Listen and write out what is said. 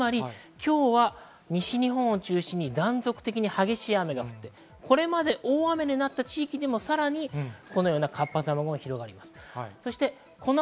今日は西日本を中心に、断続的に激しい雨が降ってこれまで大雨になった地域でもさらに活発な雨雲が広がります。